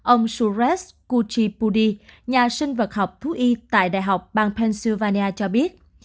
ông suresh kuchipudi nhà sinh vật học thú y tại đại học bang pennsylvania cho biết